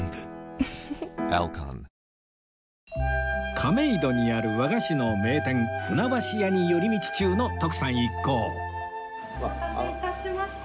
亀戸にある和菓子の名店船橋屋に寄り道中の徳さん一行お待たせ致しました。